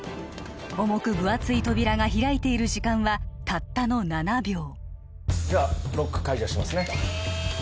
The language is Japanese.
重く分厚い扉が開いている時間はたったの７秒じゃあロック解除しますね